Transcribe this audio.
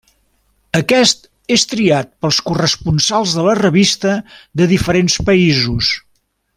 Aquest és triat pels corresponsals de la revista de diferents països.